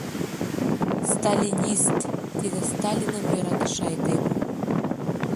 — Сталинист — тиде Сталиным йӧратыше айдеме.